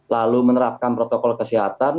lalu menerapkan protokol kesehatan